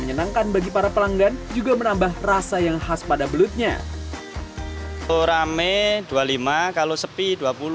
menyenangkan bagi para pelanggan juga menambah rasa yang khas pada belutnya rame dua puluh lima kalau sepi dua puluh